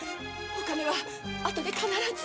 お金は後で必ず。